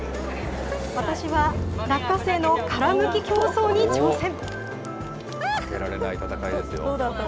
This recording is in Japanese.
私は落花生の殻むき競争に挑戦。